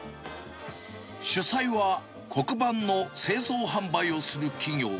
主催は、黒板の製造販売をする企業。